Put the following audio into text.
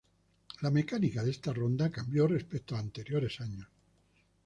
La mecánica de esta ronda cambió respecto a anteriores años.